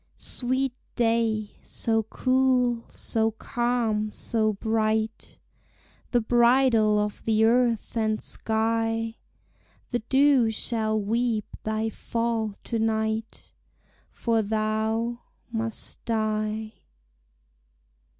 Sweet day, so cool, so calm, so bright, The bridall of the earth and skie; The dew shall weep thy fall to night; For thou must die.